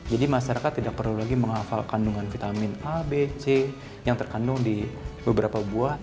jadi masyarakat tidak perlu lagi menghafal kandungan vitamin a b c yang terkandung di beberapa buah